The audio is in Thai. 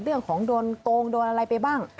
เรื่องของโดนโกงโดนอะไรไปบ้าง